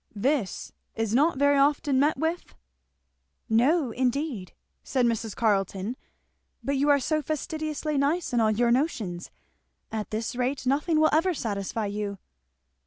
This is not very often met with?" "No indeed," said Mrs. Carleton; "but you are so fastidiously nice in all your notions! at this rate nothing will ever satisfy you."